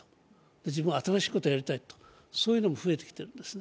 自分は新しいことをやりたいというのが増えてきているんですね。